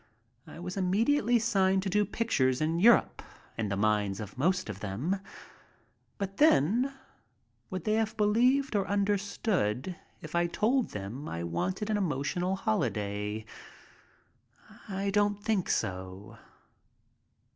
I was immediately signed to do pictures in Europe in the minds of most of them. But then would they have believed or understood if I had told them I wanted an emotional holiday? I don't believe so.